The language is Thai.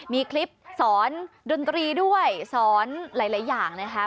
มีคลิปสอนดนตรีด้วยสอนหลายอย่างนะคะ